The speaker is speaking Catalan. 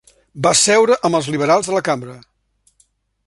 Va seure amb els liberals a la cambra.